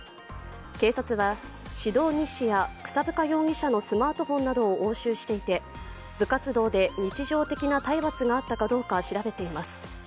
警察は指導日誌や草深容疑者のスマートフォンなどを押収していて部活動で日常的な体罰があったかどうか調べています。